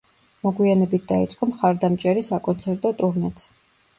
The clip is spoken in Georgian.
მოგვიანებით დაიწყო მხარდამჭერი საკონცერტო ტურნეც.